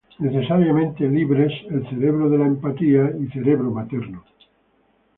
Necesariamente libres", "El cerebro de la empatía" y "Cerebro materno.